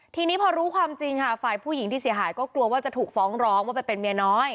ทีนี้พอรู้ความจริงค่ะฝ่ายผู้หญิงที่เสียหายก็กลัวว่าจะถูกฟ้องร้องว่าไปเป็นเมียน้อย